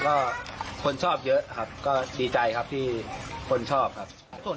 ก็คนชอบเยอะครับก็ดีใจครับที่คนชอบครับ